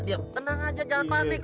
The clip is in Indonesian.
tenang aja jangan panik